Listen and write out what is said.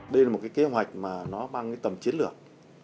đây là một kế hoạch bằng tầm chiến lược